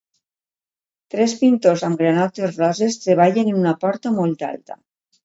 Tres pintors amb granotes roses treballen en una porta molt alta